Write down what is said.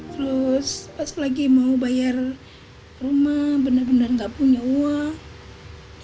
terus pas lagi mau bayar rumah benar benar nggak punya uang